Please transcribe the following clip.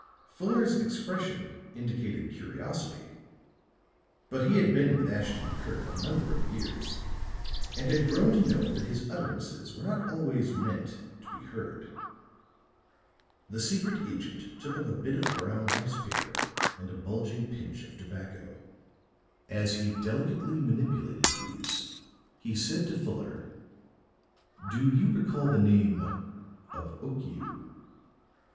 Fuller's expression indicated curiosity; but he had been with Ashton Kirk a number of years and had grown to know that his utterances were not always meant to be heard. The secret agent took up a bit of brown rice paper and a bulging pinch of tobacco; as he delicately manipulated these, he said to Fuller: "Do you recall the name of Okiu?"